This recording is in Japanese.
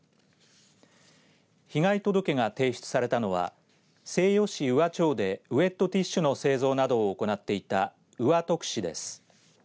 被害届が提出されたのは西予市宇和町でウエットティッシュの製造などを行っていた宇和特紙です。